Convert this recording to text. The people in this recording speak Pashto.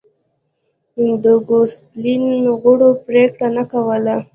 د ګوسپلین غړو پرېکړه نه کوله